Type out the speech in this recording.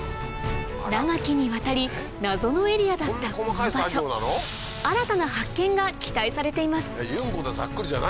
長きにわたり謎のエリアだったこの場所新たな発見が期待されています